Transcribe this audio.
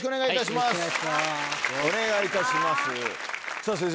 さぁ先生